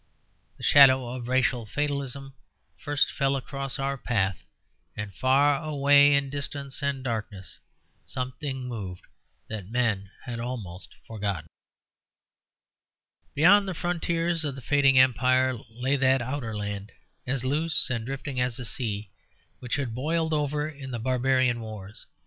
The shadow of racial fatalism first fell across our path, and far away in distance and darkness something moved that men had almost forgotten. Beyond the frontiers of the fading Empire lay that outer land, as loose and drifting as a sea, which had boiled over in the barbarian wars.